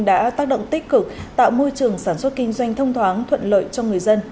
đã tác động tích cực tạo môi trường sản xuất kinh doanh thông thoáng thuận lợi cho người dân